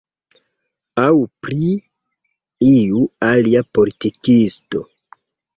Aŭ pri iu alia politikisto.